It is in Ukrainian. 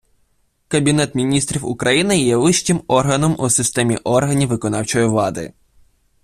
Кабінет Міністрів України є вищим органом у системі органів виконавчої влади.